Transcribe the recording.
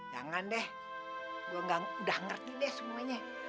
jangan deh gue udah ngerti deh semuanya